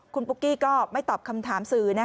คุณปุ๊กกี้ก็ไม่ตอบคำถามสื่อ